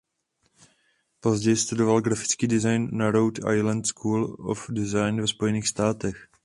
Později studoval grafický design na Rhode Island School of Design ve Spojených státech.